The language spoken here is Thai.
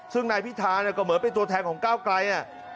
ซึ่งนายพิธาก็เหมือนเป็นตัวแทนของก้าวไกล